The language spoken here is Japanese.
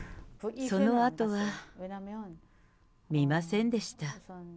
そのあとは見ませんでした。